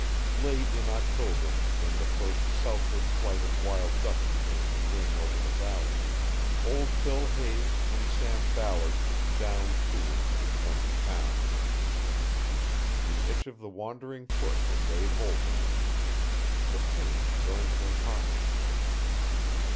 Late in October, when the first southward flight of wild duck began to wing over the valley, old Bill Hayes and Sam Ballard downed tools and went to town. The itch of the wandering foot had laid hold of them. The pennies burned their pockets.